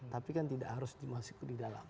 tapi kan tidak harus dimasuk di dalam